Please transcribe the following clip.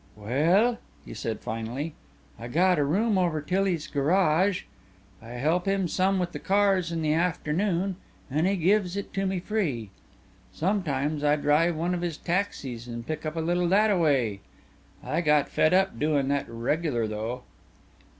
"Well," he said finally, "I got a room over Tilly's garage. I help him some with the cars in the afternoon an' he gives it to me free. Sometimes I drive one of his taxies and pick up a little thataway. I get fed up doin' that regular though."